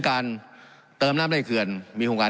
การปรับปรุงทางพื้นฐานสนามบิน